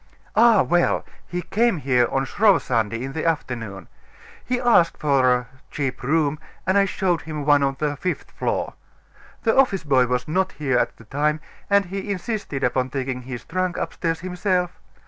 "Ah, well! he came here on Shrove Sunday, in the afternoon. He asked for a cheap room, and I showed him one on the fifth floor. The office boy was not here at the time, and he insisted upon taking his trunk upstairs himself.